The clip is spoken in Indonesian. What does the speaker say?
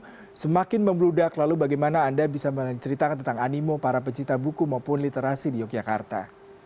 ini semakin membeludak lalu bagaimana anda bisa menceritakan tentang animo para pencipta buku maupun literasi di yogyakarta